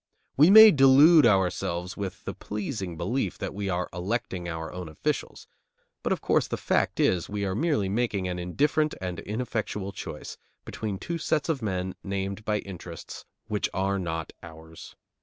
We may delude ourselves with the pleasing belief that we are electing our own officials, but of course the fact is we are merely making an indifferent and ineffectual choice between two sets of men named by interests which are not ours.